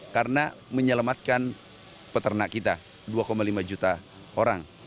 karena menyelamatkan peternak kita dua lima juta orang